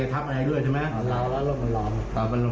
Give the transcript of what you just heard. ใจใจครับ